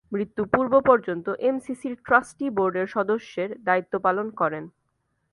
মৃত্যু পূর্ব-পর্যন্ত এমসিসির ট্রাস্টি বোর্ডের সদস্যের দায়িত্ব পালন করেন।